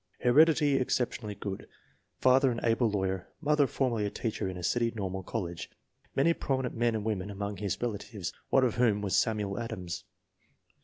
Heredity exceptionally good. Father an able law yer; mother formerly a teacher in a city normal college. Many prominent men and women among his relatives, one of whom was Samuel Adams.